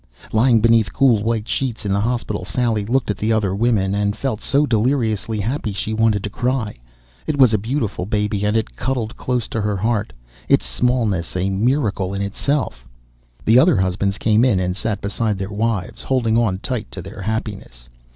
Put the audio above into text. Lying beneath cool white sheets in the hospital Sally looked at the other women and felt so deliriously happy she wanted to cry. It was a beautiful baby and it cuddled close to her heart, its smallness a miracle in itself. The other husbands came in and sat beside their wives, holding on tight to their happiness.